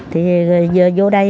thì giờ vô đây